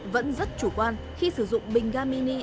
vẫn rất chủ quan khi sử dụng bình ga mini